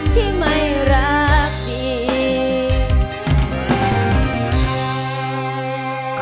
ที่ไม่รักดี